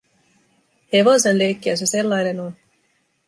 Hevosen leikkiä se sellainen on.